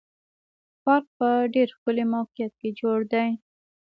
پارک په ډېر ښکلي موقعیت کې جوړ دی.